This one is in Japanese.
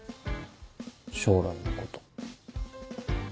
将来のこと。